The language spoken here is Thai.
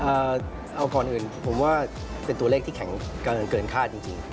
เอาก่อนอื่นผมว่าเป็นตัวเลขที่แข็งกำลังเกินคาดจริงจริง